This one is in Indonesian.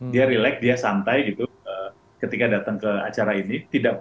dia relax dia santai gitu ketika datang ke acara ini